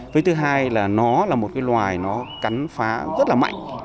với thứ hai là nó là một cái loài nó cắn phá rất là mạnh